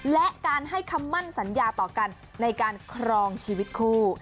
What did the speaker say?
และการให้คำมั่นสัญญาต่อกันในการครองชีวิตคู่